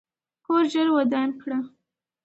کور ژر ودان کړه.